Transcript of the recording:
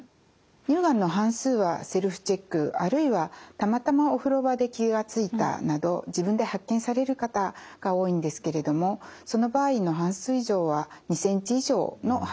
乳がんの半数はセルフチェックあるいはたまたまお風呂場で気が付いたなど自分で発見される方が多いんですけれどもその場合の半数以上は２ｃｍ以上の発見となっているんですね。